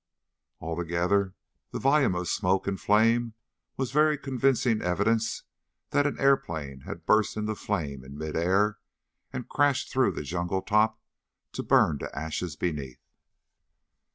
Altogether, the volume of smoke and flame was very convincing evidence that an airplane had burst into flame in mid air and crashed through the jungle top to burn to ashes beneath.